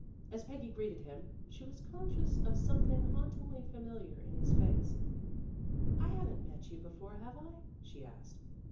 As Peggy greeted him, she was conscious of something hauntingly familiar in his face. "I haven't met you before, have I?" she asked.